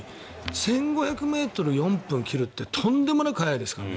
１５００ｍ４分切るってとんでもなく速いですからね。